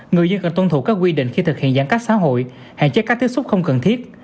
người dân cần tuân thủ các quy định khi thực hiện giãn cách xã hội hạn chế các tiếp xúc không cần thiết